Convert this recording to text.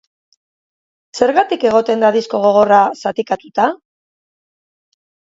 Zergatik egoten da disko gogorra zatikatuta?